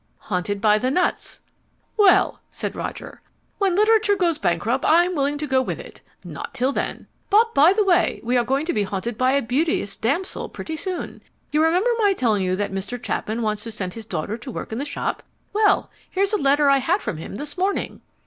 "'Haunted by the nuts!'" "Well," said Roger, "when literature goes bankrupt I'm willing to go with it. Not till then. But by the way, we're going to be haunted by a beauteous damsel pretty soon. You remember my telling you that Mr. Chapman wants to send his daughter to work in the shop? Well, here's a letter I had from him this morning."